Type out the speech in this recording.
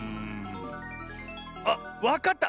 あっわかった！